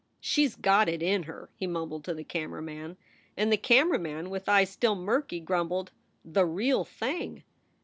"She s got it in her!" he mumbled to the camera man. And the camera man, with eyes still murky, grumbled: "The real thing!"